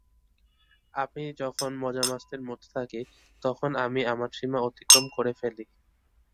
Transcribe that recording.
আমি যখন মজা মাস্তির মধ্যে থাকি, তখন আমি আমার সীমা অতিক্রম করে ফেলি।